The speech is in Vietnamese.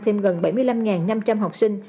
thêm gần bảy mươi năm năm trăm linh học sinh